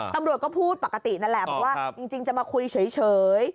ตำรวจก็พูดปกตินั่นแหละอ๋อครับบอกว่าจริงจริงจะมาคุยเฉยเฉย